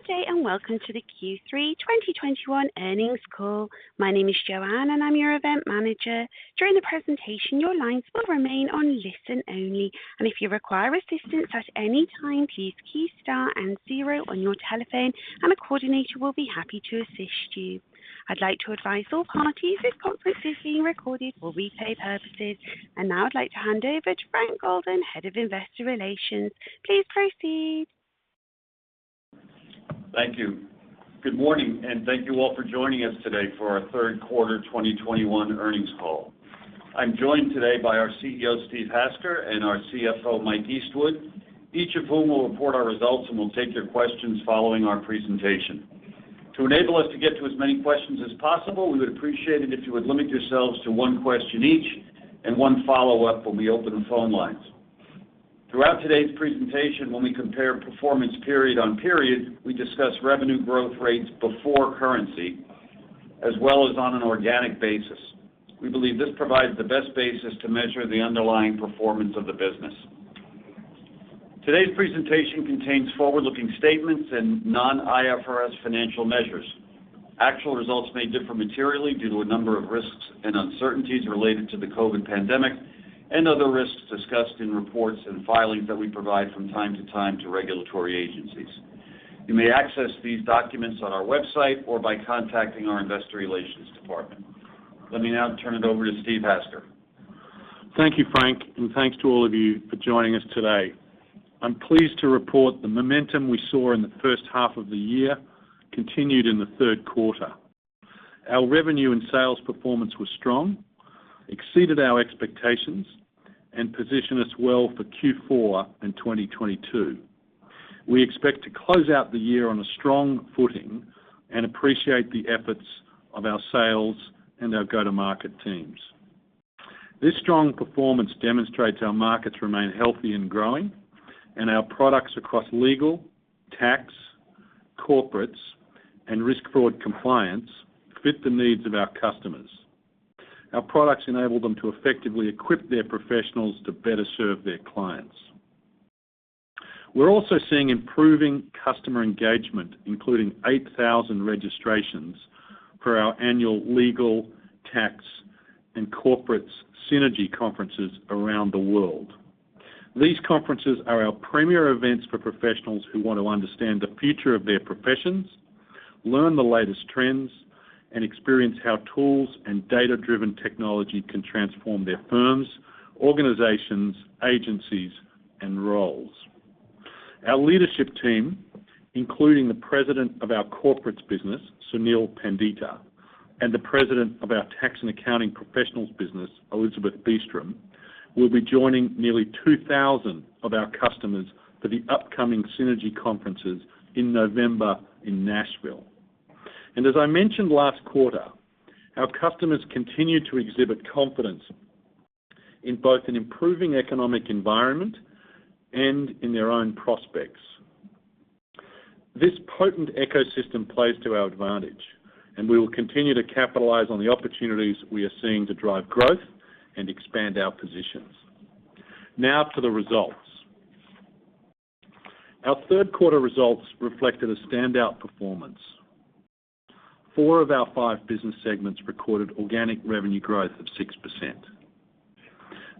Good day and welcome to the Q3 2021 Earnings Call. My name is Joanne, and I'm your event manager. During the presentation, your lines will remain on listen-only, and if you require assistance at any time, please key star and zero on your telephone, and a coordinator will be happy to assist you. I'd like to advise all parties this conference is being recorded for replay purposes. Now I'd like to hand over to Frank Golden, Head of Investor Relations. Please proceed. Thank you. Good morning, and thank you all for joining us today for our third quarter 2021 earnings call. I'm joined today by our CEO, Steve Hasker, and our CFO, Mike Eastwood, each of whom will report our results and will take your questions following our presentation. To enable us to get to as many questions as possible, we would appreciate it if you would limit yourselves to one question each and one follow-up when we open the phone lines. Throughout today's presentation, when we compare performance period on period, we discuss revenue growth rates before currency, as well as on an organic basis. We believe this provides the best basis to measure the underlying performance of the business. Today's presentation contains forward-looking statements and non-IFRS financial measures. Actual results may differ materially due to a number of risks and uncertainties related to the COVID pandemic and other risks discussed in reports and filings that we provide from time to time to regulatory agencies. You may access these documents on our website or by contacting our investor relations department. Let me now turn it over to Steve Hasker. Thank you, Frank, and thanks to all of you for joining us today. I'm pleased to report the momentum we saw in the first half of the year continued in the third quarter. Our revenue and sales performance was strong, exceeded our expectations, and position us well for Q4 in 2022. We expect to close out the year on a strong footing and appreciate the efforts of our sales and our go-to-market teams. This strong performance demonstrates our markets remain healthy and growing, and our products across legal, tax, corporates, and risk, fraud, and compliance fit the needs of our customers. Our products enable them to effectively equip their professionals to better serve their clients. We're also seeing improving customer engagement, including 8,000 registrations for our annual legal, tax, and corporates SYNERGY conferences around the world. These conferences are our premier events for professionals who want to understand the future of their professions, learn the latest trends, and experience how tools and data-driven technology can transform their firms, organizations, agencies, and roles. Our leadership team, including the President of our Corporates business, Sunil Pandita, and the President of our Tax & Accounting Professionals business, Elizabeth Beastrom, will be joining nearly 2,000 of our customers for the upcoming SYNERGY conferences in November in Nashville. As I mentioned last quarter, our customers continue to exhibit confidence in both an improving economic environment and in their own prospects. This potent ecosystem plays to our advantage, and we will continue to capitalize on the opportunities we are seeing to drive growth and expand our positions. Now to the results. Our third quarter results reflected a standout performance. Four of our five business segments recorded organic revenue growth of 6%.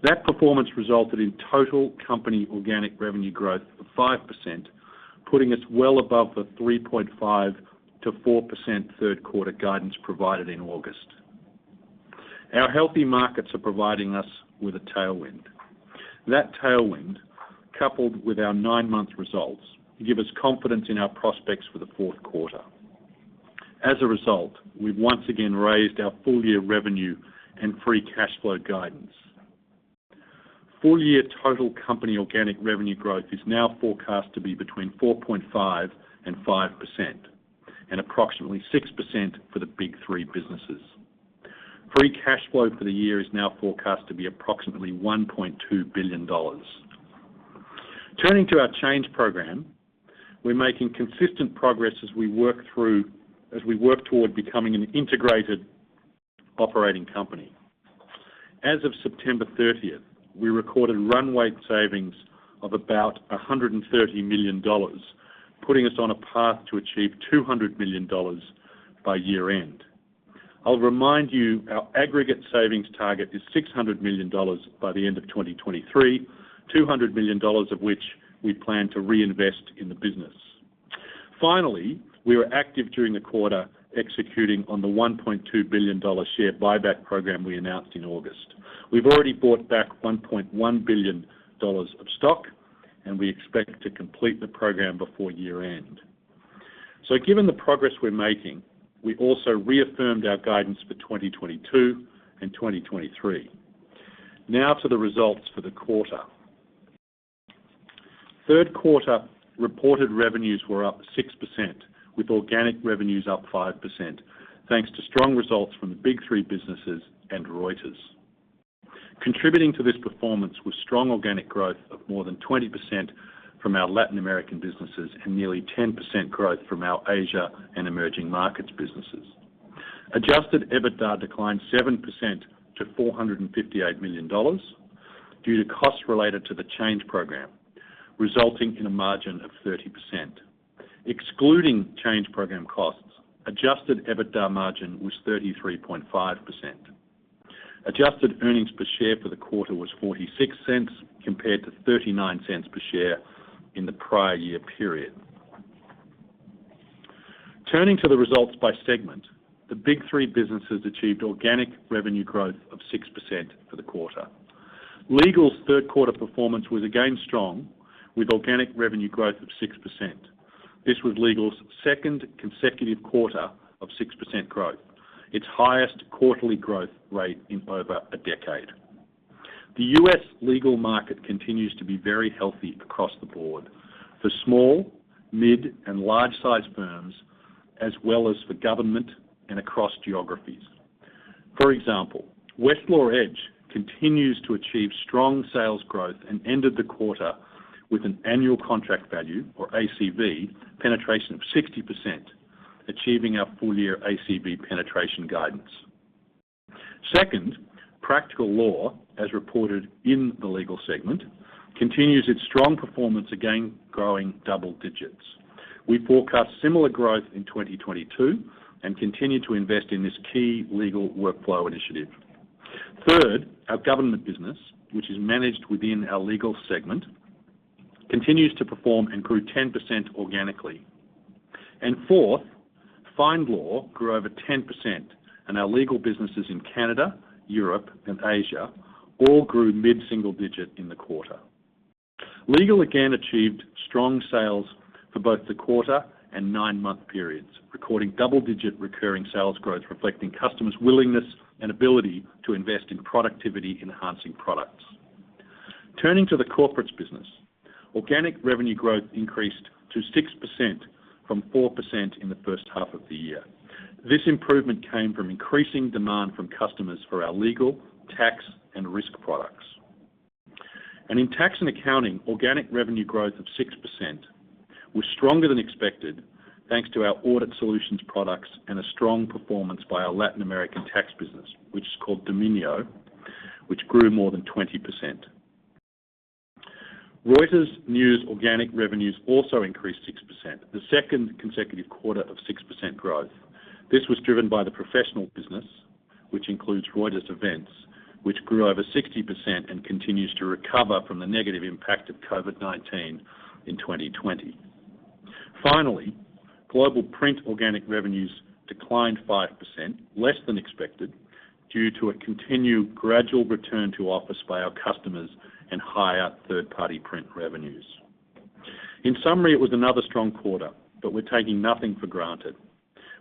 That performance resulted in total company organic revenue growth of 5%, putting us well above the 3.5%-4% third quarter guidance provided in August. Our healthy markets are providing us with a tailwind. That tailwind, coupled with our nine-month results, give us confidence in our prospects for the fourth quarter. As a result, we've once again raised our full year revenue and free cash flow guidance. Full year total company organic revenue growth is now forecast to be between 4.5% and 5%, and approximately 6% for the Big 3 businesses. Free cash flow for the year is now forecast to be approximately $1.2 billion. Turning to our Change Program, we're making consistent progress as we work toward becoming an integrated operating company. As of September 30, we recorded run-rate savings of about $130 million, putting us on a path to achieve $200 million by year-end. I'll remind you our aggregate savings target is $600 million by the end of 2023, $200 million of which we plan to reinvest in the business. Finally, we were active during the quarter executing on the $1.2 billion share buyback program we announced in August. We've already bought back $1.1 billion of stock, and we expect to complete the program before year-end. Given the progress we're making, we also reaffirmed our guidance for 2022 and 2023. Now to the results for the quarter. Third quarter reported revenues were up 6%, with organic revenues up 5%, thanks to strong results from the Big 3 businesses and Reuters. Contributing to this performance was strong organic growth of more than 20% from our Latin American businesses and nearly 10% growth from our Asia and emerging markets businesses. Adjusted EBITDA declined 7% to $458 million due to costs related to the Change Program, resulting in a margin of 30%. Excluding Change Program costs, adjusted EBITDA margin was 33.5%. Adjusted earnings per share for the quarter was $0.46 compared to $0.39 per share in the prior year period. Turning to the results by segment, the Big 3 businesses achieved organic revenue growth of 6% for the quarter. Legal's third quarter performance was again strong with organic revenue growth of 6%. This was Legal's second consecutive quarter of 6% growth, its highest quarterly growth rate in over a decade. The U.S. legal market continues to be very healthy across the board for small, mid, and large-sized firms, as well as for government and across geographies. For example, Westlaw Edge continues to achieve strong sales growth and ended the quarter with an Annual Contract Value, or ACV, penetration of 60%, achieving our full year ACV penetration guidance. Second, Practical Law, as reported in the Legal segment, continues its strong performance, again growing double digits. We forecast similar growth in 2022 and continue to invest in this key legal workflow initiative. Third, our government business, which is managed within our Legal segment, continues to perform and grew 10% organically. Fourth, FindLaw grew over 10% and our legal businesses in Canada, Europe, and Asia all grew mid-single-digit in the quarter. Legal again achieved strong sales for both the quarter and nine-month periods, recording double-digit recurring sales growth, reflecting customers' willingness and ability to invest in productivity-enhancing products. Turning to the Corporates business, organic revenue growth increased to 6% from 4% in the first half of the year. This improvement came from increasing demand from customers for our legal, tax, and risk products. In Tax & Accounting, organic revenue growth of 6% was stronger than expected, thanks to our Audit Solutions products and a strong performance by our Latin American tax business, which is called Domínio, which grew more than 20%. Reuters News organic revenues also increased 6%, the second consecutive quarter of 6% growth. This was driven by the professional business, which includes Reuters Events, which grew over 60% and continues to recover from the negative impact of COVID-19 in 2020. Finally, Global Print organic revenues declined 5%, less than expected, due to a continued gradual return to office by our customers and higher third-party print revenues. In summary, it was another strong quarter, but we're taking nothing for granted.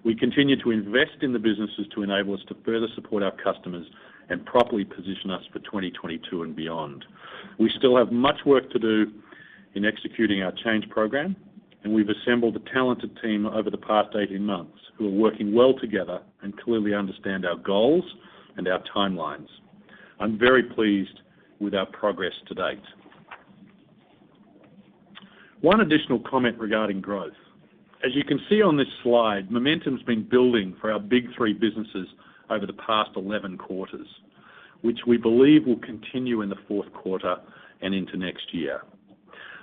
We continue to invest in the businesses to enable us to further support our customers and properly position us for 2022 and beyond. We still have much work to do in executing our Change Program, and we've assembled a talented team over the past 18 months who are working well together and clearly understand our goals and our timelines. I'm very pleased with our progress to date. One additional comment regarding growth. As you can see on this slide, momentum's been building for our Big 3 businesses over the past 11 quarters, which we believe will continue in the fourth quarter and into next year.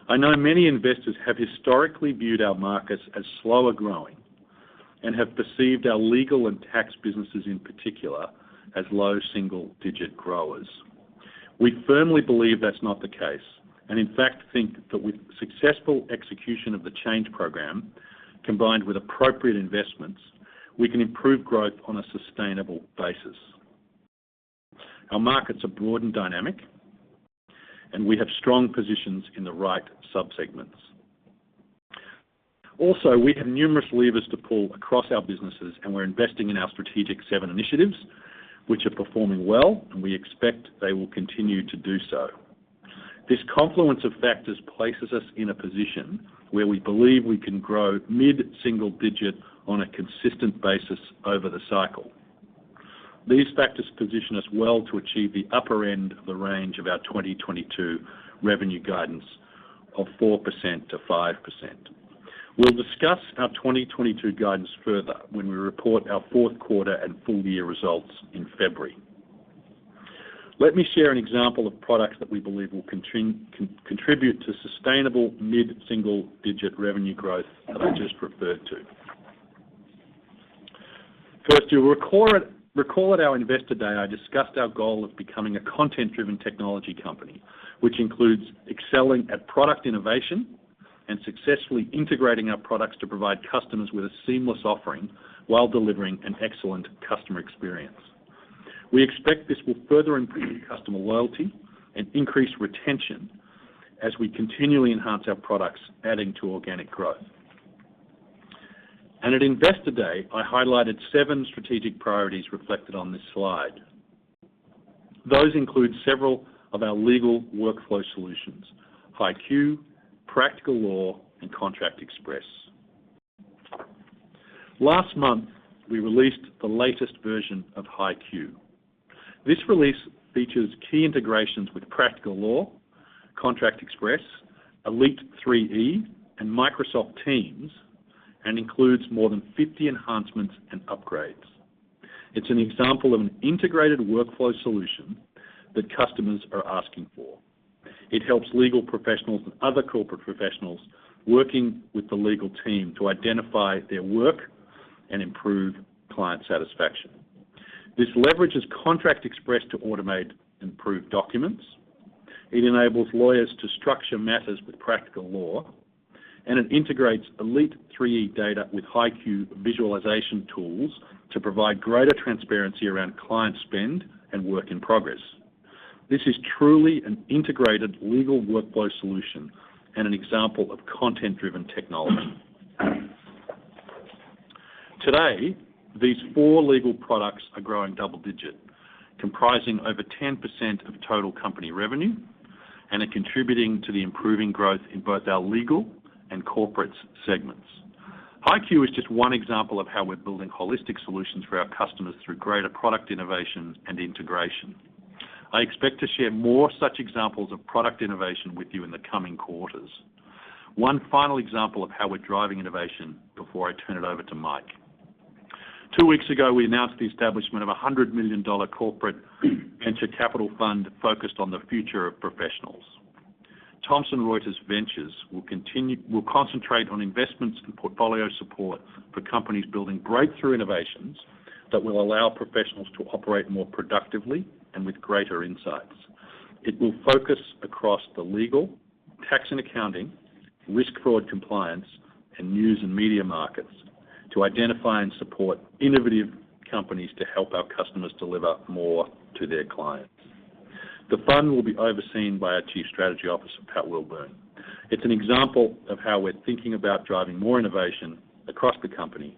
I know many investors have historically viewed our markets as slower growing and have perceived our Legal and Tax businesses in particular as low-single-digit growers. We firmly believe that's not the case, and in fact, think that with successful execution of the Change Program, combined with appropriate investments, we can improve growth on a sustainable basis. Our markets are broad and dynamic, and we have strong positions in the right subsegments. Also, we have numerous levers to pull across our businesses, and we're investing in our Strategic Seven initiatives, which are performing well, and we expect they will continue to do so. This confluence of factors places us in a position where we believe we can grow mid-single-digit on a consistent basis over the cycle. These factors position us well to achieve the upper end of the range of our 2022 revenue guidance of 4%-5%. We'll discuss our 2022 guidance further when we report our fourth quarter and full year results in February. Let me share an example of products that we believe will contribute to sustainable mid-single-digit revenue growth that I just referred to. First, you'll recall at our Investor Day, I discussed our goal of becoming a content-driven technology company, which includes excelling at product innovation and successfully integrating our products to provide customers with a seamless offering while delivering an excellent customer experience. We expect this will further improve customer loyalty and increase retention as we continually enhance our products, adding to organic growth. At Investor Day, I highlighted seven strategic priorities reflected on this slide. Those include several of our Legal Workflow Solutions, HighQ, Practical Law, and Contract Express. Last month, we released the latest version of HighQ. This release features key integrations with Practical Law, Contract Express, Elite 3E, and Microsoft Teams and includes more than 50 enhancements and upgrades. It's an example of an integrated workflow solution that customers are asking for. It helps Legal Professionals and other corporate professionals working with the legal team to identify their work and improve client satisfaction. This leverages Contract Express to automate improved documents. It enables lawyers to structure matters with Practical Law, and it integrates Elite 3E data with HighQ visualization tools to provide greater transparency around client spend and work in progress. This is truly an integrated legal workflow solution and an example of content-driven technology. Today, these four legal products are growing double-digit, comprising over 10% of total company revenue and are contributing to the improving growth in both our Legal and Corporates segments. HighQ is just one example of how we're building holistic solutions for our customers through greater product innovation and integration. I expect to share more such examples of product innovation with you in the coming quarters. One final example of how we're driving innovation before I turn it over to Mike. Two weeks ago, we announced the establishment of a $100 million corporate venture capital fund focused on the future of professionals. Thomson Reuters Ventures will concentrate on investments and portfolio support for companies building breakthrough innovations that will allow professionals to operate more productively and with greater insights. It will focus across the legal, tax and accounting, risk, fraud, compliance, and news and media markets to identify and support innovative companies to help our customers deliver more to their clients. The fund will be overseen by our Chief Strategy Officer, Pat Wilburn. It's an example of how we're thinking about driving more innovation across the company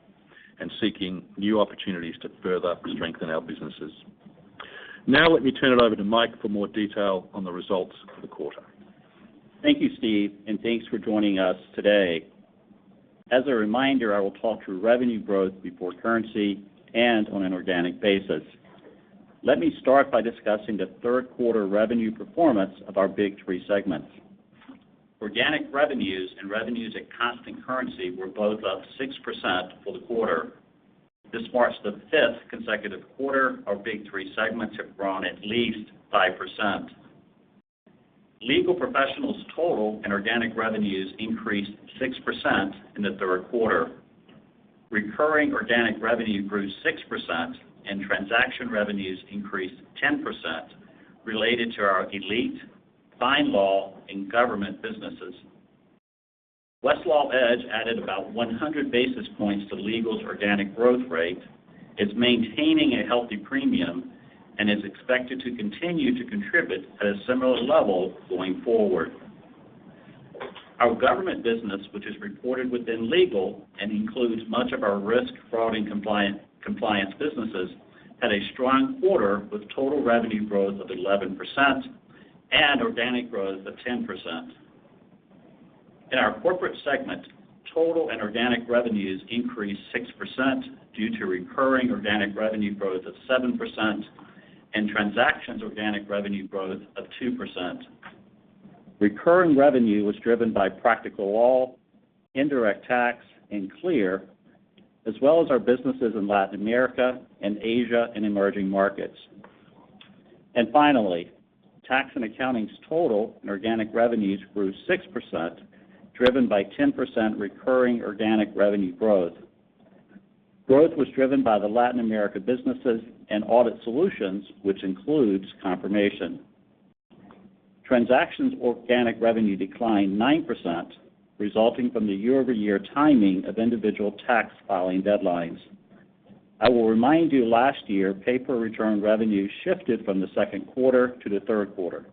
and seeking new opportunities to further strengthen our businesses. Now, let me turn it over to Mike for more detail on the results for the quarter. Thank you, Steve, and thanks for joining us today. As a reminder, I will talk through revenue growth before currency and on an organic basis. Let me start by discussing the third quarter revenue performance of our Big 3 segments. Organic revenues and revenues at constant currency were both up 6% for the quarter. This marks the fifth consecutive quarter our Big 3 segments have grown at least 5%. Legal Professionals' total and organic revenues increased 6% in the third quarter. Recurring organic revenue grew 6% and transaction revenues increased 10% related to our Elite, FindLaw, and Government businesses. Westlaw Edge added about 100 basis points to Legal's organic growth rate, is maintaining a healthy premium, and is expected to continue to contribute at a similar level going forward. Our Government business, which is reported within Legal and includes much of our risk, fraud, and compliance businesses, had a strong quarter with total revenue growth of 11% and organic growth of 10%. In our Corporate segment, total and organic revenues increased 6% due to recurring organic revenue growth of 7% and transactions organic revenue growth of 2%. Recurring revenue was driven by Practical Law, Indirect Tax, and CLEAR, as well as our businesses in Latin America and Asia and emerging markets. Finally, Tax & Accounting's total and organic revenues grew 6%, driven by 10% recurring organic revenue growth. Growth was driven by the Latin America businesses and Audit Solutions, which includes Confirmation. Transactions organic revenue declined 9%, resulting from the year-over-year timing of individual tax filing deadlines. I will remind you last year, pay-per-return revenue shifted from the second quarter to the third quarter.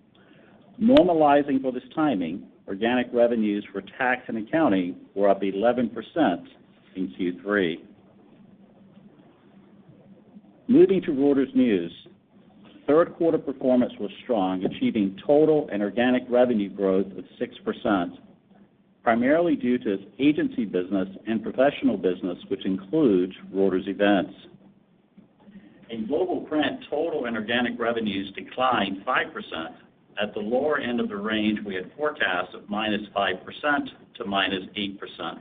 Normalizing for this timing, organic revenues for Tax & Accounting were up 11% in Q3. Moving to Reuters News. Third quarter performance was strong, achieving total and organic revenue growth of 6%, primarily due to its agency business and professional business, which includes Reuters Events. In Global Print, total and organic revenues declined 5% at the lower end of the range we had forecast of -5% to -8%.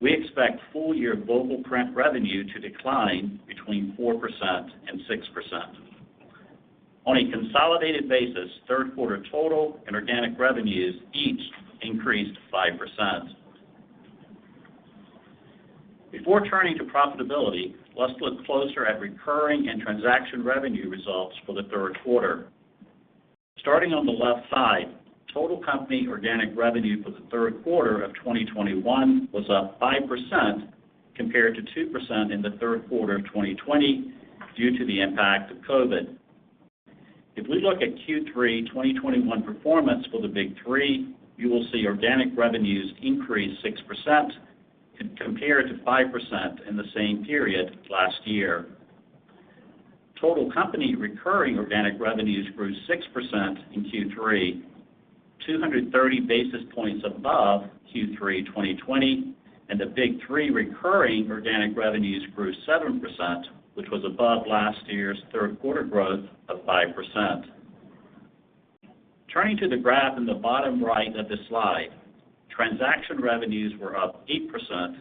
We expect full year Global Print revenue to decline between 4% and 6%. On a consolidated basis, third quarter total and organic revenues each increased 5%. Before turning to profitability, let's look closer at recurring and transaction revenue results for the third quarter. Starting on the left side, total company organic revenue for the third quarter of 2021 was up 5% compared to 2% in the third quarter of 2020 due to the impact of COVID. If we look at Q3 2021 performance for the Big 3, you will see organic revenues increased 6% compared to 5% in the same period last year. Total company recurring organic revenues grew 6% in Q3, 230 basis points above Q3 2020, and the Big 3 recurring organic revenues grew 7%, which was above last year's third quarter growth of 5%. Turning to the graph in the bottom right of the slide, transaction revenues were up 8%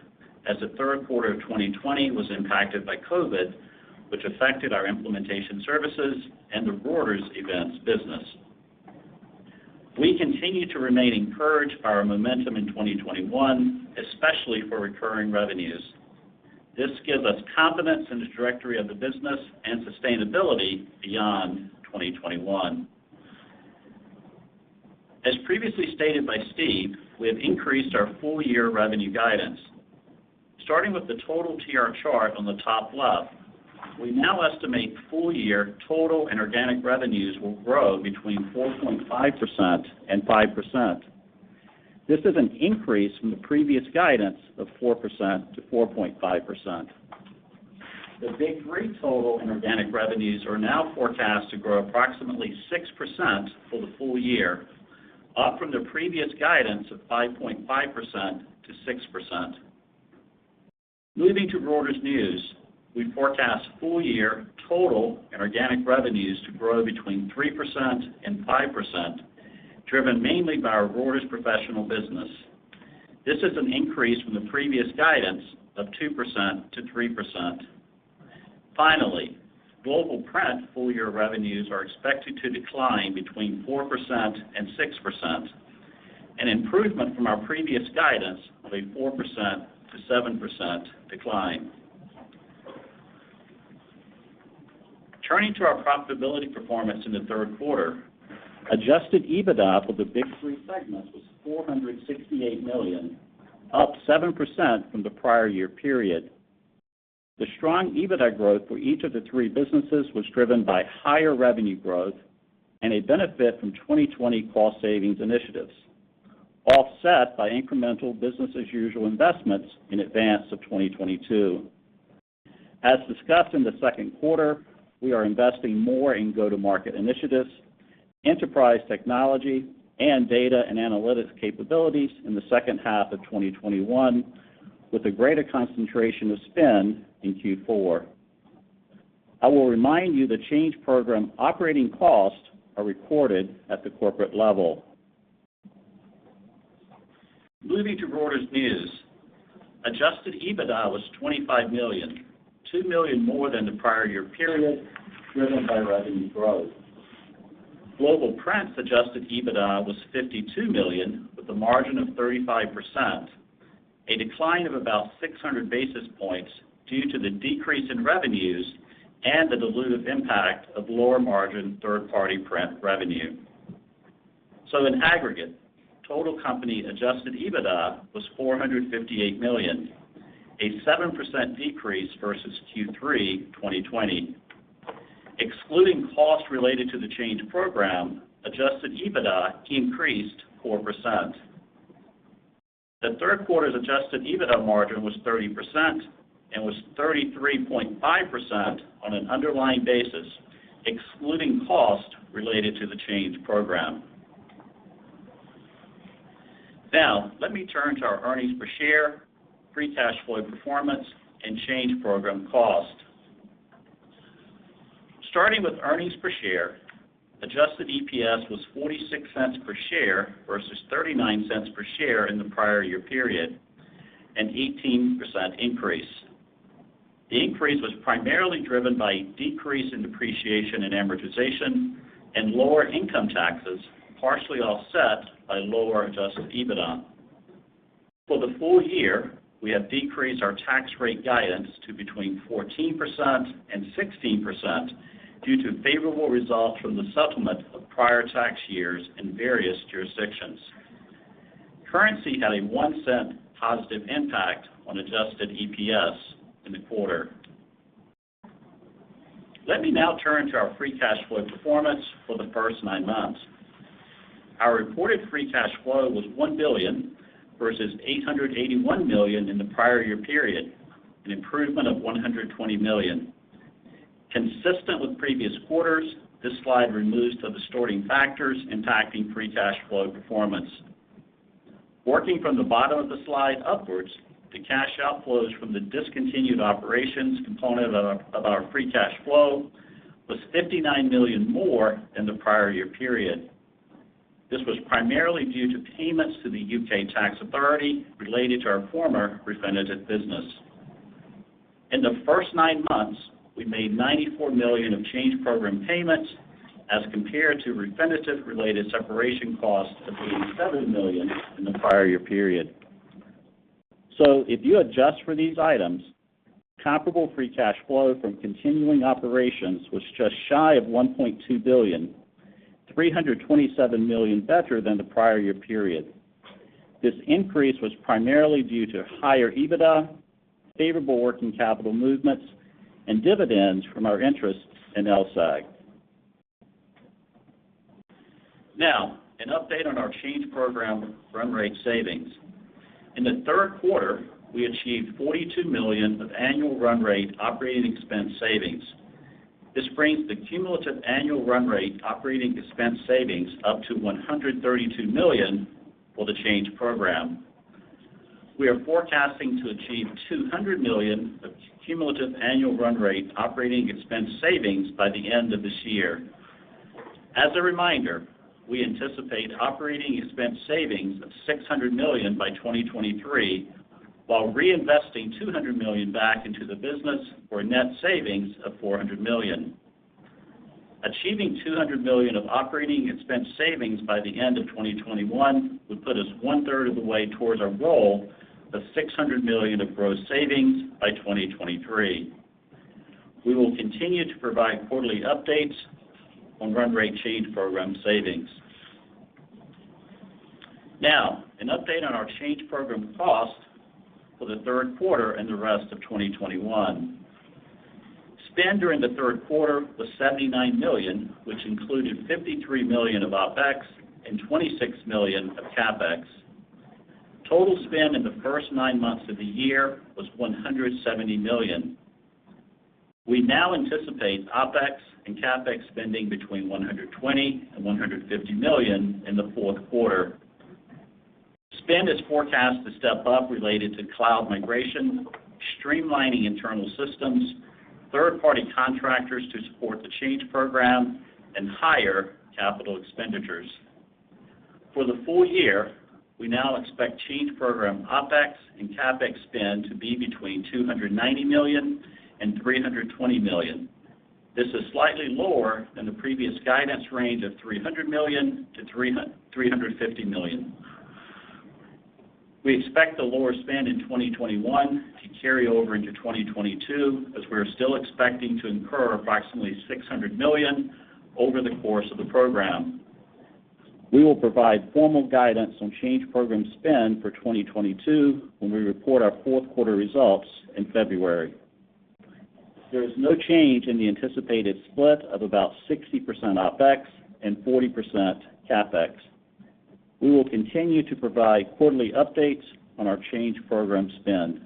as the third quarter of 2020 was impacted by COVID, which affected our implementation services and the Reuters Events business. We continue to remain encouraged by our momentum in 2021, especially for recurring revenues. This gives us confidence in the trajectory of the business and sustainability beyond 2021. As previously stated by Steve, we have increased our full-year revenue guidance. Starting with the total TR chart on the top left, we now estimate full-year total and organic revenues will grow between 4.5% and 5%. This is an increase from the previous guidance of 4%-4.5%. The Big 3 total and organic revenues are now forecast to grow approximately 6% for the full year, up from the previous guidance of 5.5%-6%. Moving to Reuters News, we forecast full-year total and organic revenues to grow between 3% and 5%, driven mainly by our Reuters Professional business. This is an increase from the previous guidance of 2%-3%. Finally, Global Print full-year revenues are expected to decline between 4%-6%, an improvement from our previous guidance of a 4%-7% decline. Turning to our profitability performance in the third quarter, adjusted EBITDA for the Big 3 segments was $468 million, up 7% from the prior year period. The strong EBITDA growth for each of the three businesses was driven by higher revenue growth and a benefit from 2020 cost savings initiatives, offset by incremental business as usual investments in advance of 2022. As discussed in the second quarter, we are investing more in go-to-market initiatives, enterprise technology, and data and analytics capabilities in the second half of 2021 with a greater concentration of spend in Q4. I will remind you the Change Program operating costs are recorded at the corporate level. Moving to Reuters News, adjusted EBITDA was $25 million, $2 million more than the prior year period, driven by revenue growth. Global Print adjusted EBITDA was $52 million with a margin of 35%, a decline of about 600 basis points due to the decrease in revenues and the dilutive impact of lower margin third-party print revenue. In aggregate, total company adjusted EBITDA was $458 million, a 7% decrease versus Q3 2020. Excluding costs related to the Change Program, adjusted EBITDA increased 4%. The third quarter's adjusted EBITDA margin was 30% and was 33.5% on an underlying basis, excluding costs related to the Change Program. Now, let me turn to our earnings per share, free cash flow performance, and Change Program cost. Starting with earnings per share, adjusted EPS was $0.46 per share versus $0.39 per share in the prior year period, an 18% increase. The increase was primarily driven by decrease in depreciation and amortization and lower income taxes, partially offset by lower adjusted EBITDA. For the full year, we have decreased our tax rate guidance to between 14%-16% due to favorable results from the settlement of prior tax years in various jurisdictions. Currency had a $0.01 positive impact on adjusted EPS in the quarter. Let me now turn to our free cash flow performance for the first nine months. Our reported free cash flow was $1 billion versus $881 million in the prior year period, an improvement of $120 million. Consistent with previous quarters, this slide removes some distorting factors impacting free cash flow performance. Working from the bottom of the slide upwards, the cash outflows from the discontinued operations component of our free cash flow was $59 million more than the prior year period. This was primarily due to payments to the U.K. tax authority related to our former Refinitiv business. In the first nine months, we made $94 million of Change Program payments as compared to Refinitiv-related separation costs of $87 million in the prior year period. If you adjust for these items, comparable free cash flow from continuing operations was just shy of $1.2 billion, $327 million better than the prior year period. This increase was primarily due to higher EBITDA, favorable working capital movements, and dividends from our interest in LSEG. Now, an update on our Change Program run rate savings. In the third quarter, we achieved $42 million of annual run rate operating expense savings. This brings the cumulative annual run rate operating expense savings up to $132 million for the Change Program. We are forecasting to achieve $200 million of cumulative annual run rate operating expense savings by the end of this year. As a reminder, we anticipate operating expense savings of $600 million by 2023 while reinvesting $200 million back into the business for net savings of $400 million. Achieving $200 million of operating expense savings by the end of 2021 would put us 1/3 of the way towards our goal of $600 million of gross savings by 2023. We will continue to provide quarterly updates on run rate Change Program savings. Now, an update on our Change Program cost for the third quarter and the rest of 2021. Spend during the third quarter was $79 million, which included $53 million of OpEx and $26 million of CapEx. Total spend in the first nine months of the year was $170 million. We now anticipate OpEx and CapEx spending between $120 million and $150 million in the fourth quarter. Spend is forecast to step up related to cloud migration, streamlining internal systems, third-party contractors to support the Change Program, and higher capital expenditures. For the full year, we now expect Change Program OpEx and CapEx spend to be between $290 million and $320 million. This is slightly lower than the previous guidance range of $300 million-$350 million. We expect the lower spend in 2021 to carry over into 2022, as we are still expecting to incur approximately $600 million over the course of the program. We will provide formal guidance on Change Program spend for 2022 when we report our fourth quarter results in February. There is no change in the anticipated split of about 60% OpEx and 40% CapEx. We will continue to provide quarterly updates on our Change Program spend.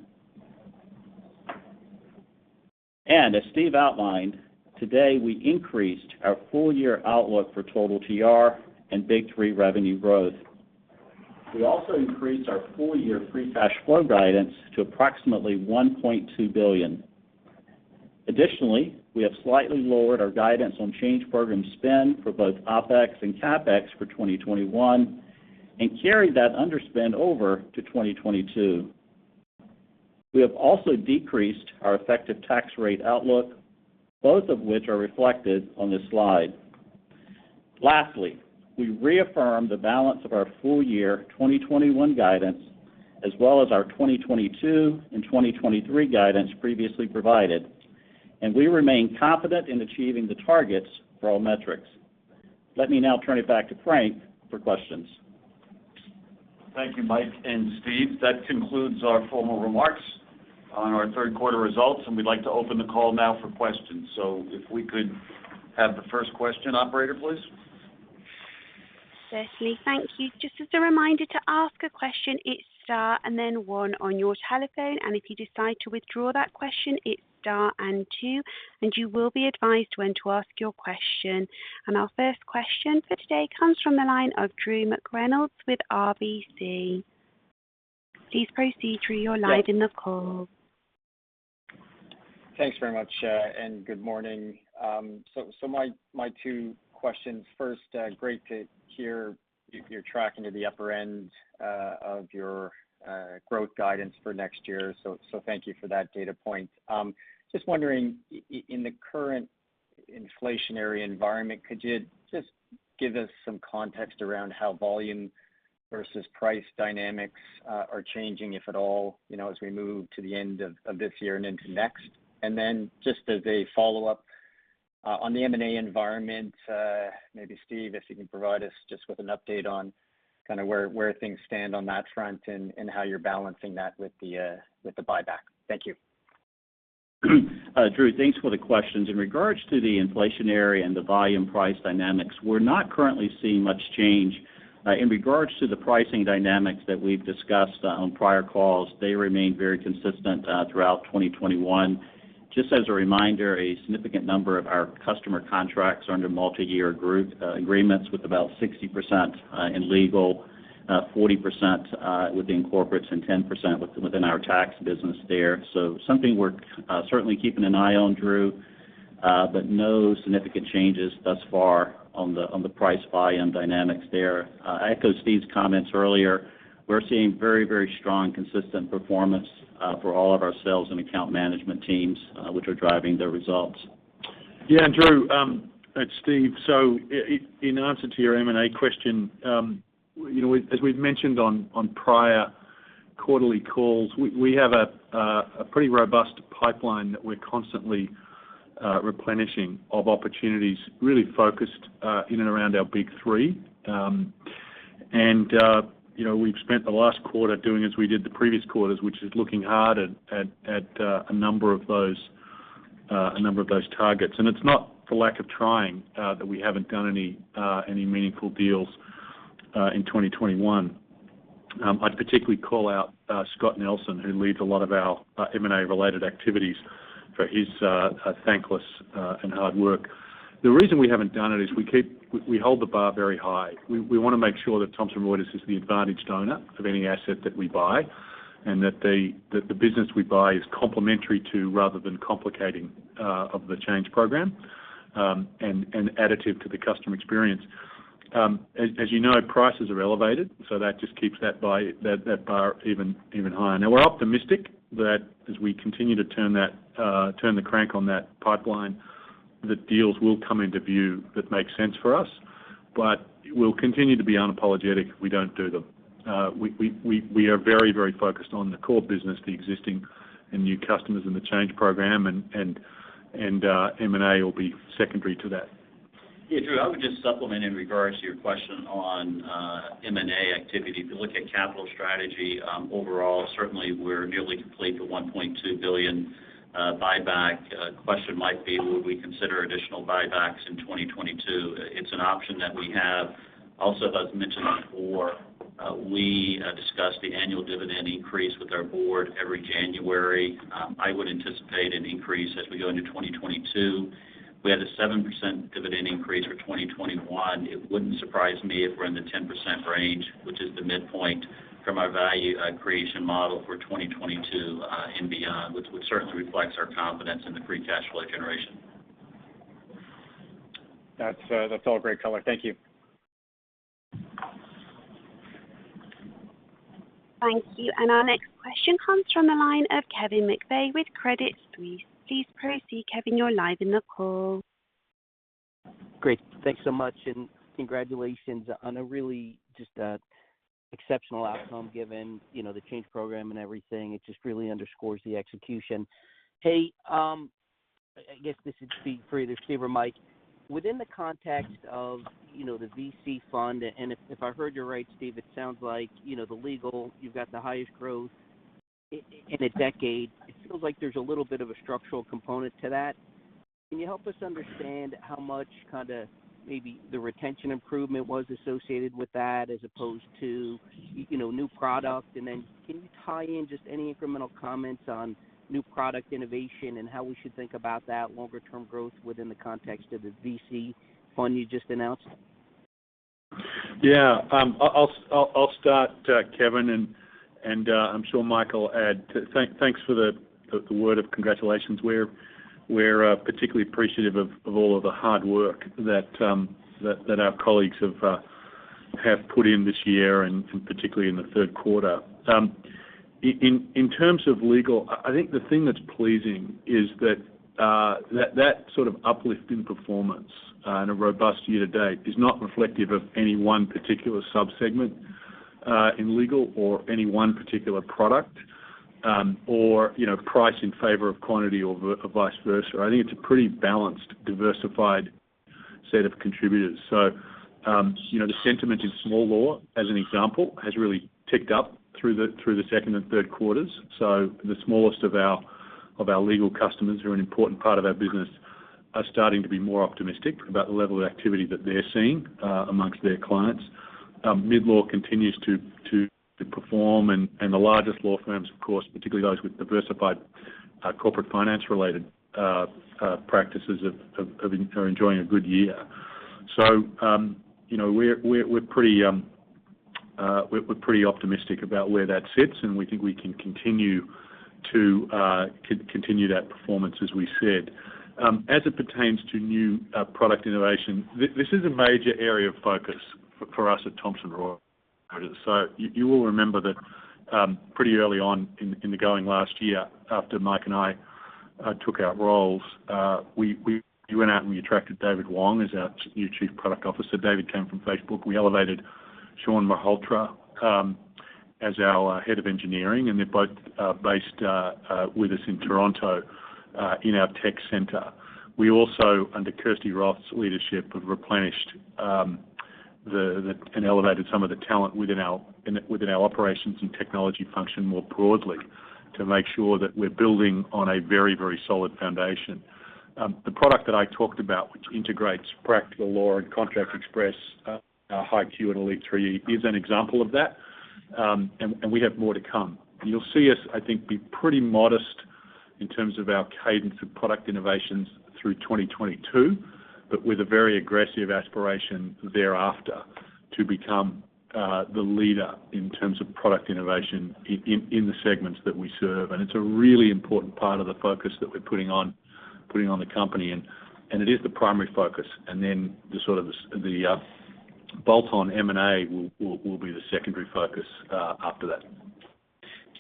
As Steve outlined, today, we increased our full year outlook for total TR and Big 3 revenue growth. We also increased our full-year free cash flow guidance to approximately $1.2 billion. Additionally, we have slightly lowered our guidance on Change Program spend for both OpEx and CapEx for 2021 and carried that underspend over to 2022. We have also decreased our effective tax rate outlook, both of which are reflected on this slide. Lastly, we reaffirm the balance of our full year 2021 guidance, as well as our 2022 and 2023 guidance previously provided, and we remain confident in achieving the targets for all metrics. Let me now turn it back to Frank for questions. Thank you, Mike and Steve. That concludes our formal remarks on our third quarter results, and we'd like to open the call now for questions. If we could have the first question, operator, please. Certainly. Thank you. Just as a reminder, to ask a question, it's star and then one on your telephone, and if you decide to withdraw that question, it's star and two, and you will be advised when to ask your question. Our first question for today comes from the line of Drew McReynolds with RBC. Please proceed, Drew. You're live in the call. Thanks very much and good morning. My two questions. First, great to hear you're tracking to the upper end of your growth guidance for next year. So thank you for that data point. Just wondering in the current inflationary environment, could you just give us some context around how volume versus price dynamics are changing, if at all, you know, as we move to the end of this year and into next? Then just as a follow-up, on the M&A environment, maybe Steve, if you can provide us just with an update on kinda where things stand on that front and how you're balancing that with the buyback. Thank you. Drew, thanks for the questions. In regards to the inflationary and the volume price dynamics, we're not currently seeing much change. In regards to the pricing dynamics that we've discussed on prior calls, they remain very consistent throughout 2021. Just as a reminder, a significant number of our customer contracts are under multi-year group agreements with about 60% in Legal, 40% within Corporates and 10% within our tax business there. Something we're certainly keeping an eye on, Drew, but no significant changes thus far on the price volume dynamics there. I echo Steve's comments earlier. We're seeing very, very strong, consistent performance for all of our sales and account management teams, which are driving the results. Yeah. Drew, it's Steve. In answer to your M&A question, you know, as we've mentioned on prior quarterly calls, we have a pretty robust pipeline that we're constantly replenishing of opportunities really focused in and around our Big 3. You know, we've spent the last quarter doing as we did the previous quarters, which is looking hard at a number of those targets. It's not for lack of trying that we haven't done any meaningful deals in 2021. I'd particularly call out Scott Fletcher, who leads a lot of our M&A related activities for his thankless and hard work. The reason we haven't done it is we keep. We hold the bar very high. We wanna make sure that Thomson Reuters is the advantaged owner of any asset that we buy, and that the business we buy is complementary to, rather than complicating our Change Program, and additive to the customer experience. As you know, prices are elevated, so that just keeps that bar even higher. Now we're optimistic that as we continue to turn the crank on that pipeline, that deals will come into view that make sense for us. We'll continue to be unapologetic if we don't do them. We are very focused on the core business, the existing and new customers in the Change Program, and M&A will be secondary to that. Yeah, Drew, I would just supplement in regards to your question on M&A activity. If you look at capital strategy, overall, certainly we're nearly complete the $1.2 billion buyback. Question might be, would we consider additional buybacks in 2022? It's an option that we have. Also, as mentioned before, we discuss the annual dividend increase with our board every January. I would anticipate an increase as we go into 2022. We had a 7% dividend increase for 2021. It wouldn't surprise me if we're in the 10% range, which is the midpoint from our value creation model for 2022 and beyond, which would certainly reflects our confidence in the free cash flow generation. That's all great color. Thank you. Thank you. Our next question comes from the line of Kevin McVeigh with Credit Suisse. Please proceed, Kevin, you're live in the call. Great. Thanks so much, and congratulations on a really just exceptional outcome given, you know, the Change Program and everything. It just really underscores the execution. Hey, I guess this would be for either Steve or Mike. Within the context of, you know, the VC fund, and if I heard you right, Steve, it sounds like, you know, the legal, you've got the highest growth in a decade. It feels like there's a little bit of a structural component to that. Can you help us understand how much, kinda, maybe the retention improvement was associated with that as opposed to, you know, new product? And then can you tie in just any incremental comments on new product innovation and how we should think about that longer term growth within the context of the VC fund you just announced? I'll start, Kevin, and I'm sure Mike will add. Thanks for the word of congratulations. We're particularly appreciative of all of the hard work that our colleagues have put in this year and particularly in the third quarter. In terms of legal, I think the thing that's pleasing is that sort of uplift in performance in a robust year to date is not reflective of any one particular subsegment in legal or any one particular product or, you know, price in favor of quantity or vice versa. I think it's a pretty balanced, diversified set of contributors. You know, the sentiment in small law, as an example, has really ticked up through the second and third quarters. The smallest of our legal customers, who are an important part of our business, are starting to be more optimistic about the level of activity that they're seeing among their clients. Mid law continues to perform, and the largest law firms, of course, particularly those with diversified corporate finance-related practices are enjoying a good year. You know, we're pretty optimistic about where that sits, and we think we can continue that performance as we said. As it pertains to new product innovation, this is a major area of focus for us at Thomson Reuters. You will remember that, pretty early on in the going last year after Mike and I took our roles, we went out and we attracted David Wong as our new Chief Product Officer. David came from Facebook. We elevated Shawn Malhotra as our Head of Engineering, and they're both with us in Toronto in our tech center. We also, under Kirsty Roth's leadership, have replenished and elevated some of the talent within our operations and technology function more broadly to make sure that we're building on a very solid foundation. The product that I talked about, which integrates Practical Law and Contract Express, our HighQ and Elite 3E is an example of that. We have more to come. You'll see us, I think, be pretty modest in terms of our cadence of product innovations through 2022, but with a very aggressive aspiration thereafter to become the leader in terms of product innovation in the segments that we serve. It's a really important part of the focus that we're putting on the company, and it is the primary focus. Then bolt-on M&A will be the secondary focus after that.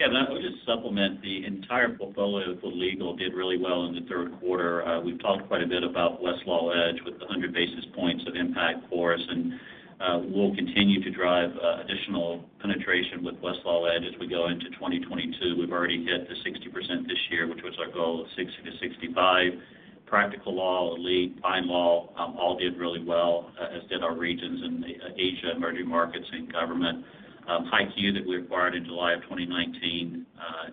Kevin, I would just supplement, the entire portfolio for legal did really well in the third quarter. We've talked quite a bit about Westlaw Edge with the 100 basis points of impact for us, and we'll continue to drive additional penetration with Westlaw Edge as we go into 2022. We've already hit the 60% this year, which was our goal of 60%-65%. Practical Law, Elite, FindLaw, all did really well, as did our regions in Asia, emerging markets, and government. HighQ that we acquired in July of 2019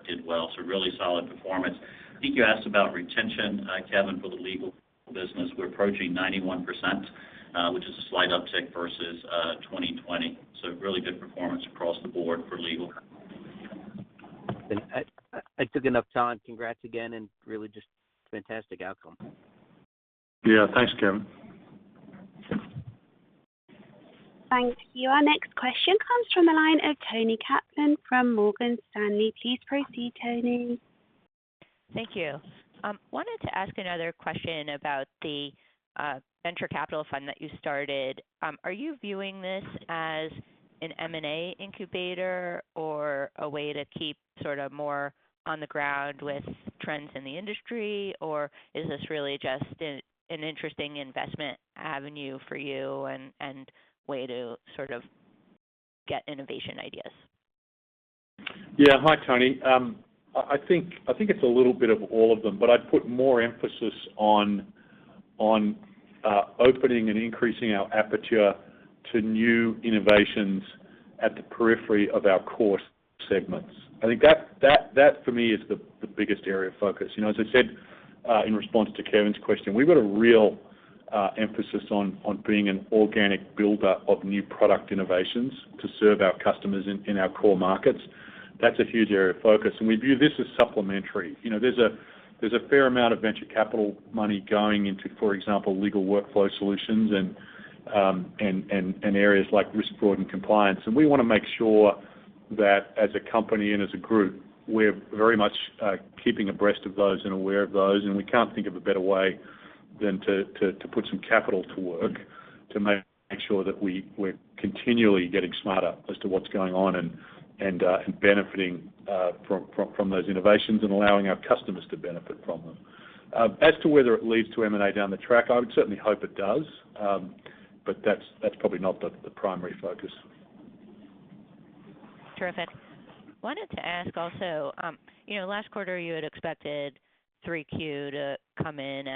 did well, so really solid performance. I think you asked about retention, Kevin, for the legal business. We're approaching 91%, which is a slight uptick versus 2020. Really good performance across the board for legal. I took enough time. Congrats again and really just fantastic outcome. Yeah. Thanks, Kevin. Thank you. Our next question comes from the line of Toni Kaplan from Morgan Stanley. Please proceed, Toni. Thank you. Wanted to ask another question about the venture capital fund that you started. Are you viewing this as an M&A incubator or a way to keep sort of more on the ground with trends in the industry? Or is this really just an interesting investment avenue for you and way to sort of get innovation ideas? Yeah. Hi, Toni. I think it's a little bit of all of them, but I'd put more emphasis on opening and increasing our aperture to new innovations at the periphery of our core segments. I think that for me is the biggest area of focus. You know, as I said in response to Kevin's question, we've got a real emphasis on being an organic builder of new product innovations to serve our customers in our core markets. That's a huge area of focus, and we view this as supplementary. You know, there's a fair amount of venture capital money going into, for example, legal workflow solutions and areas like risk, fraud, and compliance. We wanna make sure that as a company and as a group, we're very much keeping abreast of those and aware of those. We can't think of a better way than to put some capital to work to make sure that we're continually getting smarter as to what's going on and benefiting from those innovations and allowing our customers to benefit from them. As to whether it leads to M&A down the track, I would certainly hope it does. That's probably not the primary focus. Terrific. Wanted to ask also, you know, last quarter you had expected Q3 to come in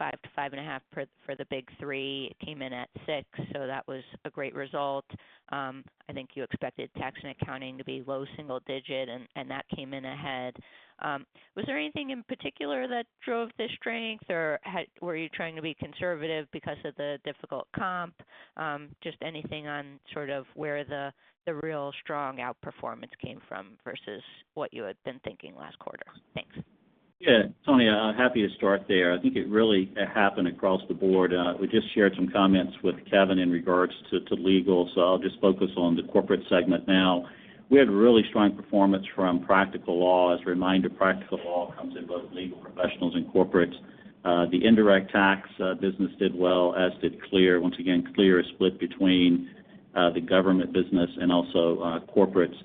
at 5%-5.5% for the Big 3. It came in at 6%, so that was a great result. I think you expected Tax & Accounting to be low single-digit, and that came in ahead. Was there anything in particular that drove the strength or were you trying to be conservative because of the difficult comp? Just anything on sort of where the real strong outperformance came from versus what you had been thinking last quarter? Thanks. Yeah. Toni, I'm happy to start there. I think it really happened across the board. We just shared some comments with Kevin in regards to legal, so I'll just focus on the corporate segment now. We had really strong performance from Practical Law. As a reminder, Practical Law comes in both Legal Professionals and Corporates. The Indirect Tax business did well, as did CLEAR. Once again, CLEAR is split between the government business and also Corporates.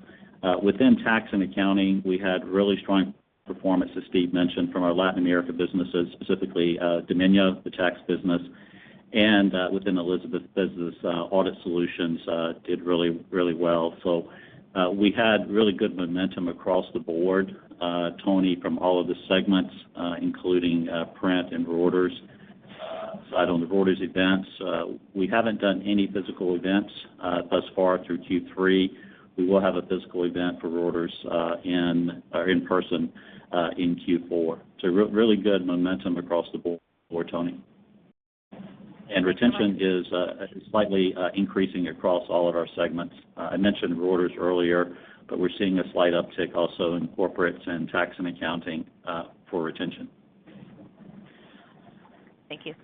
Within Tax & Accounting, we had really strong performance, as Steve mentioned, from our Latin America businesses, specifically Domínio, the tax business, and within Elizabeth business, Audit Solutions did really, really well. We had really good momentum across the board, Toni, from all of the segments, including print and Reuters orders. Aside on the Reuters Events, we haven't done any physical events thus far through Q3. We will have a physical event for Reuters in person in Q4. Really good momentum across the board for Toni. Retention is slightly increasing across all of our segments. I mentioned Reuters earlier, but we're seeing a slight uptick also in Corporates and Tax & Accounting for retention. Thank you.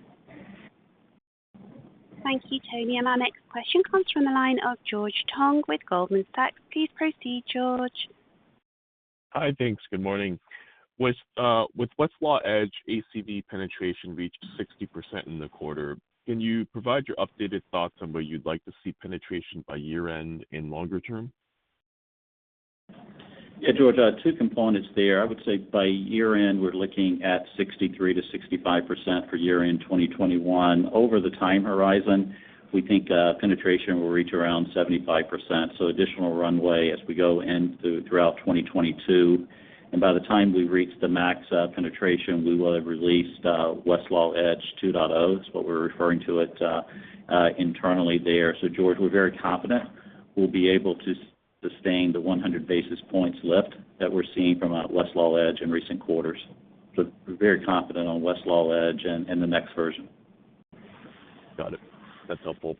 Thank you, Toni. Our next question comes from the line of George Tong with Goldman Sachs. Please proceed, George. Hi. Thanks. Good morning. With Westlaw Edge, ACV penetration reached 60% in the quarter. Can you provide your updated thoughts on where you'd like to see penetration by year-end in longer term? Yeah, George, two components there. I would say by year-end, we're looking at 63%-65% for year-end 2021. Over the time horizon, we think, penetration will reach around 75%, so additional runway as we go in throughout 2022. By the time we've reached the max penetration, we will have released Westlaw Edge 2.0. It's what we're referring to it internally there. George, we're very confident we'll be able to sustain the 100 basis points lift that we're seeing from Westlaw Edge in recent quarters. We're very confident on Westlaw Edge and the next version Got it. That's helpful.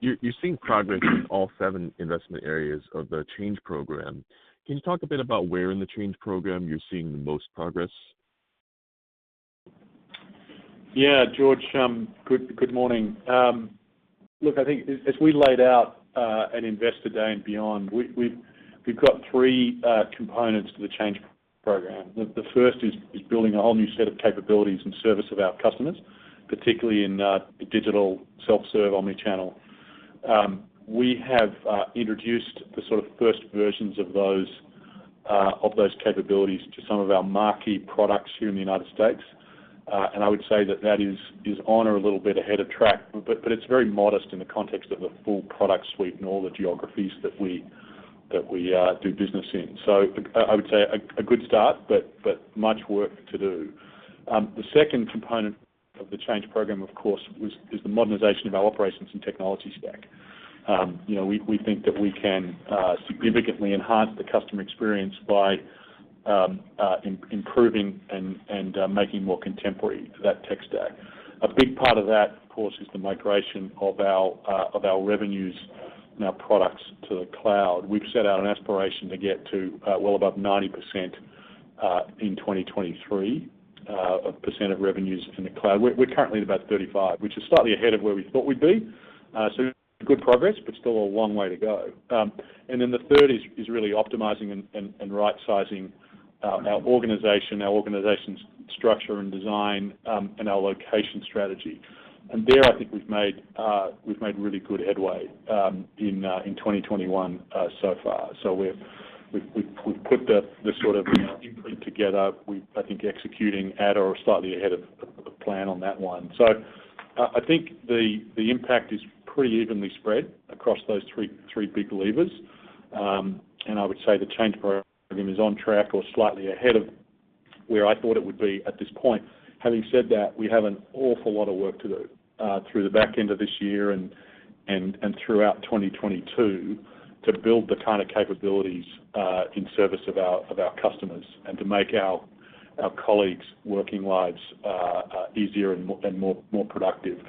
You're seeing progress in all seven investment areas of the Change Program. Can you talk a bit about where in the Change Program you're seeing the most progress? Yeah, George, good morning. Look, I think as we laid out at Investor Day and beyond, we've got three components to the Change Program. The first is building a whole new set of capabilities in service of our customers, particularly in the digital self-serve omnichannel. We have introduced the sort of first versions of those capabilities to some of our marquee products here in the United States. I would say that is on or a little bit ahead of track, but it's very modest in the context of a full product suite and all the geographies that we do business in. I would say a good start, but much work to do. The second component of the Change Program, of course, is the modernization of our operations and technology stack. You know, we think that we can significantly enhance the customer experience by improving and making more contemporary that tech stack. A big part of that, of course, is the migration of our revenues and our products to the cloud. We've set out an aspiration to get to well above 90% in 2023 of revenues in the cloud. We're currently at about 35%, which is slightly ahead of where we thought we'd be. Good progress, but still a long way to go. The third is really optimizing and rightsizing our organization's structure and design, and our location strategy. There, I think we've made really good headway in 2021 so far. We've put the sort of, you know, input together. I think we're executing at or slightly ahead of the plan on that one. I think the impact is pretty evenly spread across those three big levers. I would say the Change Program is on track or slightly ahead of where I thought it would be at this point. Having said that, we have an awful lot of work to do through the back end of this year and throughout 2022 to build the kind of capabilities in service of our customers and to make our colleagues' working lives easier and more productive.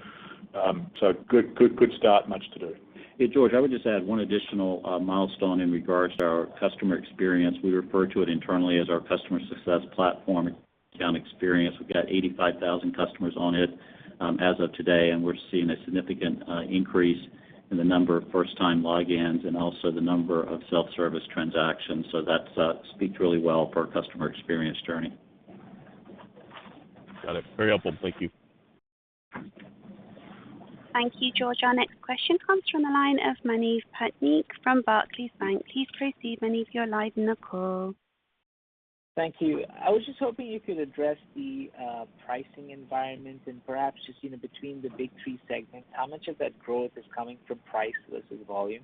Good start. Much to do. Hey, George, I would just add one additional milestone in regards to our customer experience. We refer to it internally as our customer success platform account experience. We've got 85,000 customers on it, as of today, and we're seeing a significant increase in the number of first-time log-ins and also the number of self-service transactions. That speaks really well for our customer experience journey. Got it. Very helpful. Thank you. Thank you, George. Our next question comes from the line of Manav Patnaik from Barclays Bank. Please proceed, Manav, you're live in the call. Thank you. I was just hoping you could address the pricing environment and perhaps just, you know, between the Big 3 segments, how much of that growth is coming from price versus volume?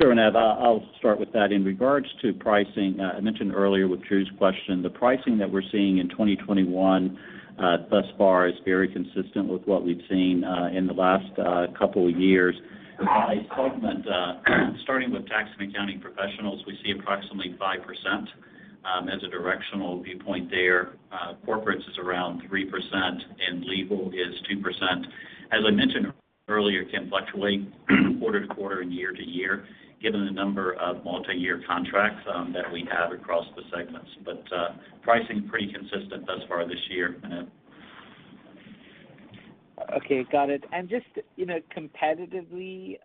Sure, Manav. I'll start with that. In regards to pricing, I mentioned earlier with Drew's question, the pricing that we're seeing in 2021 thus far is very consistent with what we've seen in the last couple years. By segment, starting with Tax & Accounting Professionals, we see approximately 5% as a directional viewpoint there. Corporates is around 3% and Legal is 2%. As I mentioned earlier, can fluctuate quarter to quarter and year to year given the number of multi-year contracts that we have across the segments. Pricing's pretty consistent thus far this year, Manav. Okay. Got it. Just, you know, competitively,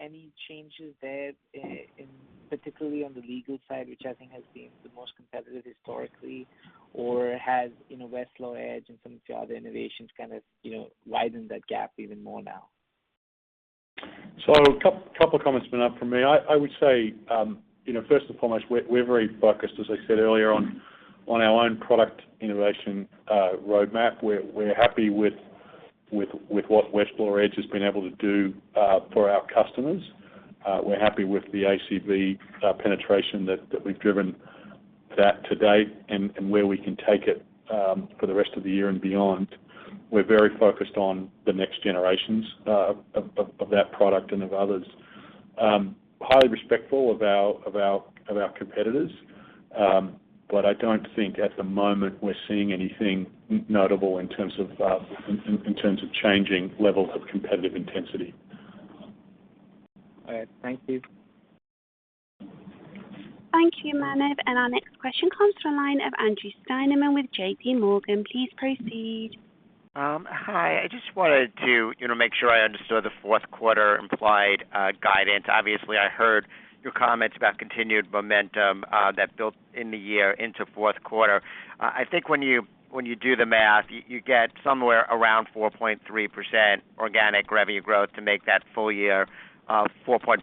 any changes there in particular on the legal side, which I think has been the most competitive historically, or has, you know, Westlaw Edge and some of the other innovations kind of, you know, widened that gap even more now? A couple comments, Manav, from me. I would say, you know, first and foremost, we're very focused, as I said earlier, on our own product innovation roadmap. We're happy with what Westlaw Edge has been able to do for our customers. We're happy with the ACV penetration that we've driven to date and where we can take it for the rest of the year and beyond. We're very focused on the next generations of that product and of others. Highly respectful of our competitors, but I don't think at the moment we're seeing anything notable in terms of changing levels of competitive intensity. All right. Thank you. Thank you, Manav. Our next question comes from the line of Andrew Steinerman with J.P. Morgan. Please proceed. Hi. I just wanted to, you know, make sure I understood the fourth quarter implied guidance. Obviously, I heard your comments about continued momentum that built in the year into fourth quarter. I think when you do the math, you get somewhere around 4.3% organic revenue growth to make that full year 4.5%-5%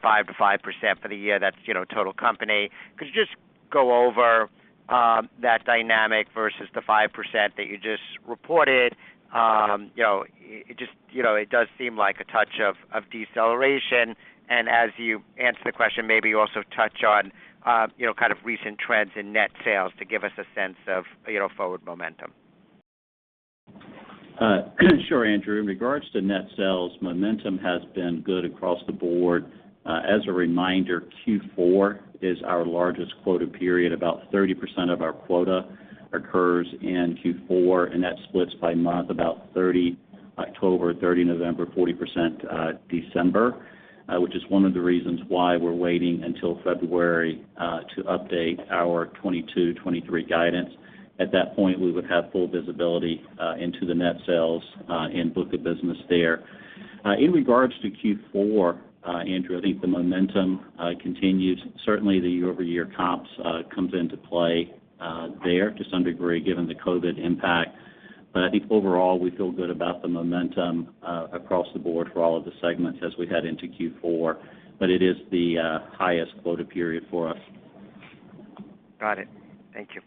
for the year. That's, you know, total company. Could you just go over that dynamic versus the 5% that you just reported? You know, it just you know, it does seem like a touch of deceleration. As you answer the question, maybe you also touch on you know, kind of recent trends in net sales to give us a sense of you know, forward momentum. Sure, Andrew. In regards to net sales, momentum has been good across the board. As a reminder, Q4 is our largest quota period. About 30% of our quota occurs in Q4, and that splits by month, about 30% October, 30% November, 40% December, which is one of the reasons why we're waiting until February to update our 2022, 2023 guidance. At that point, we would have full visibility into the net sales and book of business there. In regards to Q4, Andrew, I think the momentum continues. Certainly, the year-over-year comps comes into play there to some degree given the COVID impact. I think overall, we feel good about the momentum across the board for all of the segments as we head into Q4. It is the highest quota period for us. Got it. Thank you.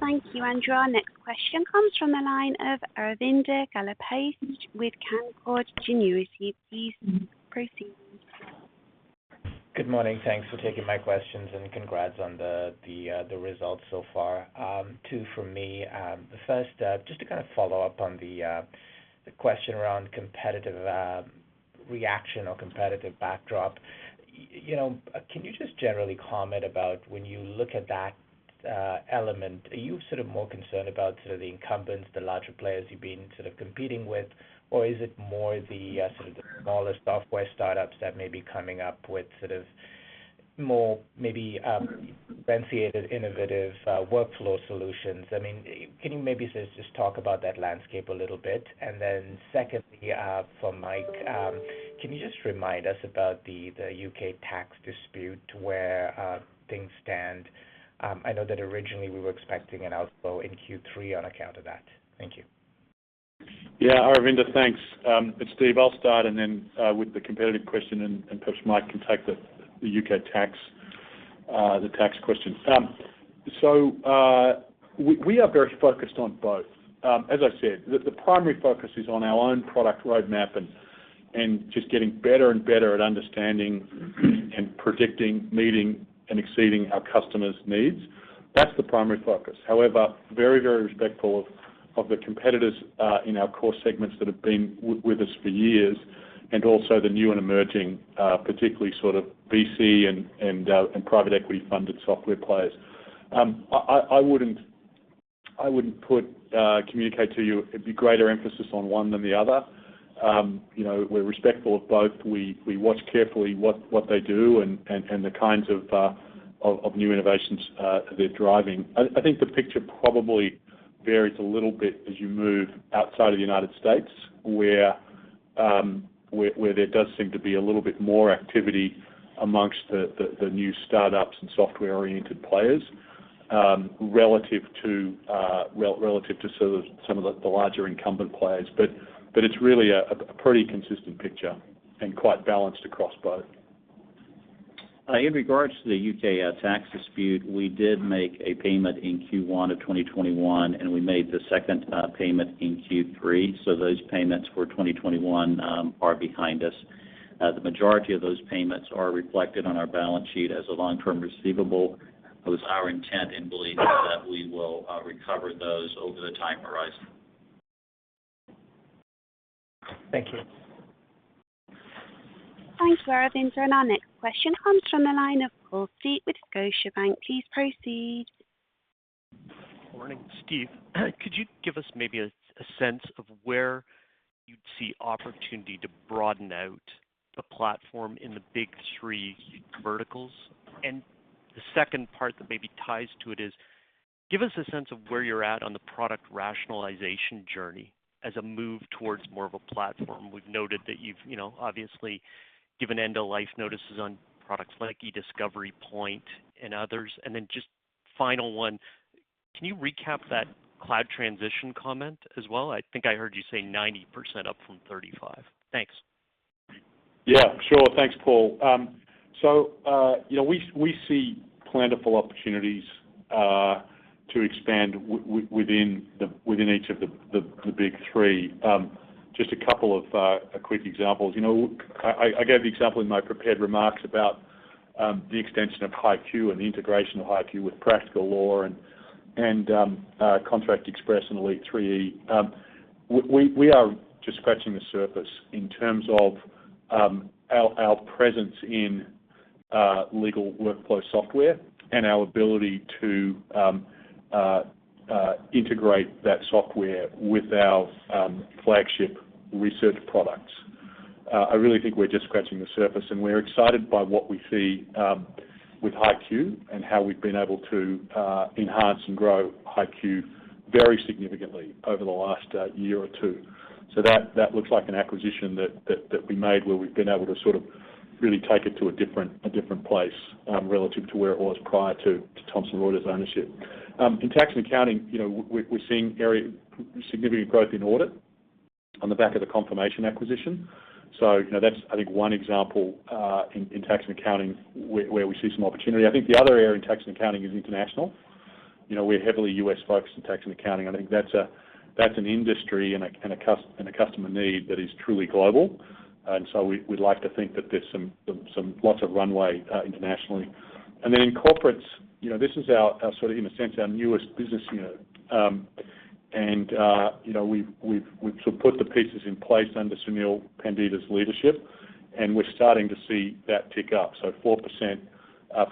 Thank you, Andrew. Our next question comes from the line of Aravinda Galappatthige with Canaccord Genuity. Please proceed. Good morning. Thanks for taking my questions and congrats on the results so far. Two for me. The first, just to kind of follow up on the question around competitive reaction or competitive backdrop. You know, can you just generally comment about when you look at that element, are you sort of more concerned about sort of the incumbents, the larger players you've been sort of competing with? Or is it more the sort of smaller software startups that may be coming up with sort of more maybe fancy and innovative workflow solutions? I mean, can you maybe just talk about that landscape a little bit? Then secondly, for Mike, can you just remind us about the U.K. tax dispute to where things stand? I know that originally we were expecting an outflow in Q3 on account of that. Thank you. Yeah. Aravinda, thanks. It's Steve. I'll start and then with the competitive question and perhaps Mike can take the U.K. tax, the tax question. We are very focused on both. As I said, the primary focus is on our own product roadmap and just getting better and better at understanding and predicting, meeting, and exceeding our customers' needs. That's the primary focus. However, very respectful of the competitors in our core segments that have been with us for years and also the new and emerging, particularly sort of BC and private equity funded software players. I wouldn't want to communicate to you that it'd be greater emphasis on one than the other. You know, we're respectful of both. We watch carefully what they do and the kinds of new innovations they're driving. I think the picture probably varies a little bit as you move outside of the United States, where there does seem to be a little bit more activity amongst the new startups and software-oriented players, relative to sort of some of the larger incumbent players. It's really a pretty consistent picture and quite balanced across both. In regards to the U.K. tax dispute, we did make a payment in Q1 of 2021, and we made the second payment in Q3. Those payments for 2021 are behind us. The majority of those payments are reflected on our balance sheet as a long-term receivable. It was our intent and belief that we will recover those over the time horizon. Thank you. Thanks, Aravinda. Our next question comes from the line of Paul Steep with Scotiabank. Please proceed. Morning, Steve. Could you give us maybe a sense of where you'd see opportunity to broaden out the platform in the Big 3 verticals? The second part that maybe ties to it is, give us a sense of where you're at on the product rationalization journey as a move towards more of a platform. We've noted that you've, you know, obviously given end of life notices on products like eDiscovery Point, and others. Then just final one, can you recap that cloud transition comment as well? I think I heard you say 90% up from 35%. Thanks. Yeah, sure. Thanks, Paul. So, you know, we see plentiful opportunities to expand within each of the Big 3. Just a couple of quick examples. You know, I gave the example in my prepared remarks about the extension of HighQ and the integration of HighQ with Practical Law and Contract Express and Elite 3E. We are just scratching the surface in terms of our presence in legal workflow software and our ability to integrate that software with our flagship research products. I really think we're just scratching the surface, and we're excited by what we see with HighQ and how we've been able to enhance and grow HighQ very significantly over the last year or two. That looks like an acquisition that we made where we've been able to sort of really take it to a different place relative to where it was prior to Thomson Reuters' ownership. In Tax & Accounting, you know, we're seeing very significant growth in audit on the back of the Confirmation acquisition. You know, that's, I think, one example in Tax & Accounting where we see some opportunity. I think the other area in Tax & Accounting is international. You know, we're heavily U.S.-focused in Tax & Accounting. I think that's an industry and a customer need that is truly global. We'd like to think that there's lots of runway internationally. In Corporates, you know, this is our sort of in a sense, our newest business unit. You know, we've sort of put the pieces in place under Sunil Pandita's leadership, and we're starting to see that tick up. 4% for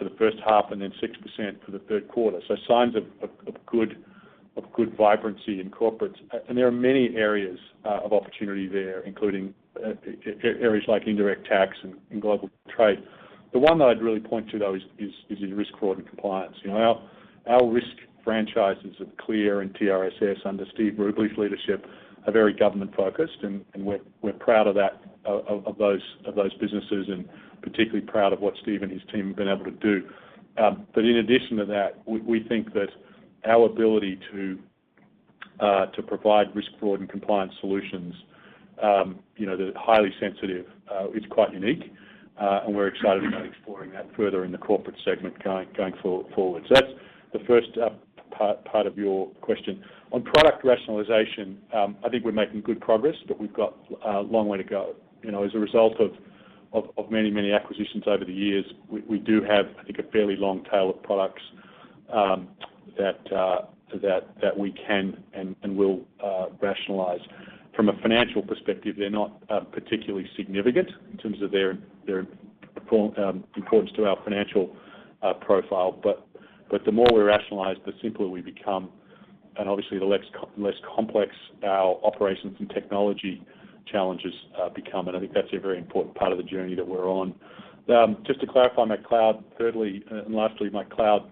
the first half and then 6% for the third quarter. Signs of good vibrancy in Corporates. There are many areas of opportunity there, including areas like indirect tax and global trade. The one that I'd really point to though is risk, fraud, and compliance. You know, our risk franchises of CLEAR and TRSS under Steve Rubley's leadership are very government-focused, and we're proud of that, of those businesses, and particularly proud of what Steve and his team have been able to do. But in addition to that, we think that our ability to provide risk, fraud, and compliance solutions, you know, that are highly sensitive, is quite unique, and we're excited about exploring that further in the corporate segment going forward. So that's the first part of your question. On product rationalization, I think we're making good progress, but we've got a long way to go. You know, as a result of many acquisitions over the years, we do have, I think, a fairly long tail of products that we can and will rationalize. From a financial perspective, they're not particularly significant in terms of their importance to our financial profile. But the more we rationalize, the simpler we become, and obviously the less complex our operations and technology challenges become. I think that's a very important part of the journey that we're on. Just to clarify, thirdly and lastly, my cloud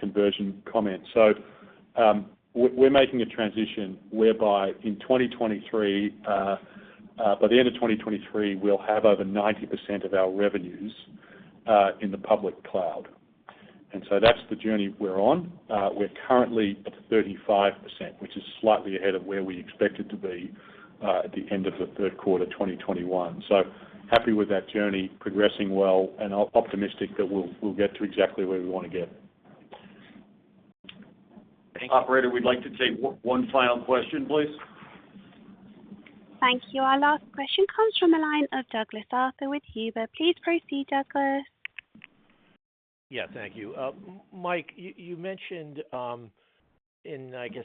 conversion comment. We're making a transition whereby in 2023, by the end of 2023, we'll have over 90% of our revenues in the public cloud. That's the journey we're on. We're currently at 35%, which is slightly ahead of where we expected to be, at the end of the third quarter, 2021. Happy with that journey progressing well and optimistic that we'll get to exactly where we wanna get. Thank you. Operator, we'd like to take one final question, please. Thank you. Our last question comes from the line of Douglas Arthur with Huber. Please proceed, Douglas. Yeah, thank you. Mike, you mentioned, in, I guess,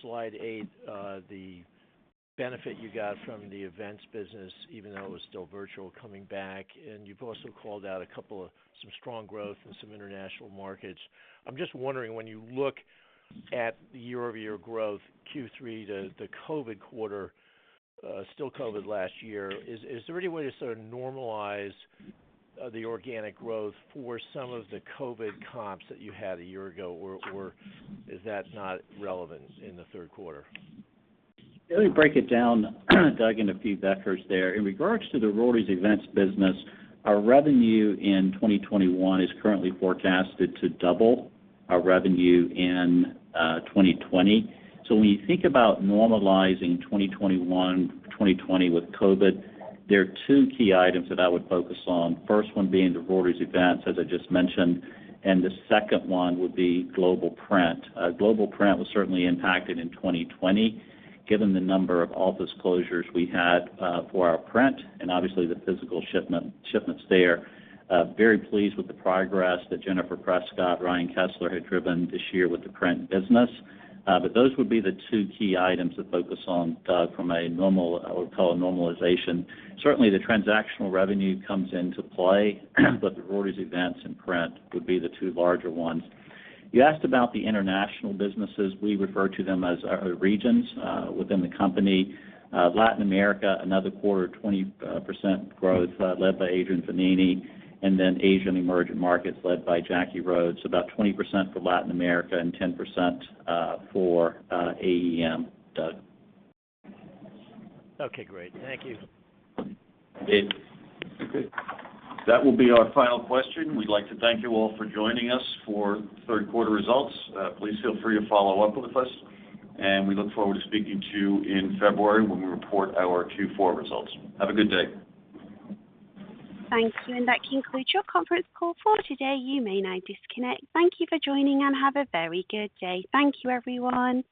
slide eight, the benefit you got from the events business even though it was still virtual coming back, and you've also called out a couple of some strong growth in some international markets. I'm just wondering, when you look at the year-over-year growth, Q3, the COVID quarter, still COVID last year, is there any way to sort of normalize the organic growth for some of the COVID comps that you had a year ago or is that not relevant in the third quarter? Let me break it down, Doug, into a few vectors there. In regards to the Reuters Events business, our revenue in 2021 is currently forecasted to double our revenue in 2020. When you think about normalizing 2021, 2020 with COVID, there are two key items that I would focus on. First one being the Reuters Events, as I just mentioned, and the second one would be Global Print. Global Print was certainly impacted in 2020, given the number of office closures we had for our print and obviously the physical shipments there. Very pleased with the progress that Jennifer Prescott, Ryan Kessler had driven this year with the print business. Those would be the two key items to focus on, Doug, from a normalization. Certainly, the transactional revenue comes into play, but the Reuters Events and print would be the two larger ones. You asked about the international businesses. We refer to them as our regions within the company. Latin America, another quarter of 20% growth, led by Adrián Fognini, and then Asian emerging markets led by Jackie Rhodes, about 20% for Latin America and 10% for AEM, Doug. Okay, great. Thank you. Thanks. Okay. That will be our final question. We'd like to thank you all for joining us for third quarter results. Please feel free to follow up with us, and we look forward to speaking to you in February when we report our Q4 results. Have a good day. Thanks. That concludes your conference call for today. You may now disconnect. Thank you for joining, and have a very good day. Thank you, everyone.